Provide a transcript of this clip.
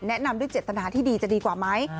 แนะนำด้วยเจตนาที่ดีจะดีกว่าไหม